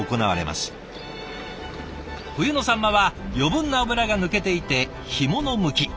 冬のサンマは余分な脂が抜けていて干物向き。